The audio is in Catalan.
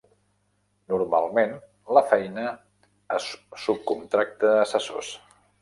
Normalment, la feina es subcontracta a assessors.